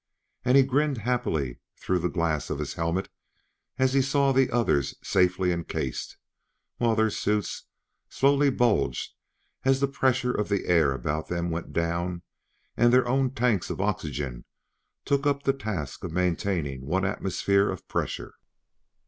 And he grinned happily through the glass of his helmet as he saw the others safely encased, while their suits slowly bulged as the pressure of the air about them went down and their own tanks of oxygen took up the task of maintaining one atmosphere of pressure.